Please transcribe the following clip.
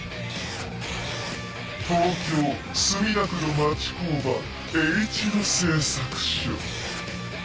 東京・墨田区の町工場Ｈ野製作所。